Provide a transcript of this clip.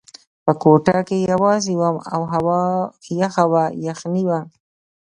په کوټه کې یوازې وم او هوا یخه وه، یخنۍ وه.